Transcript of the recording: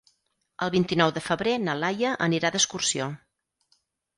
El vint-i-nou de febrer na Laia anirà d'excursió.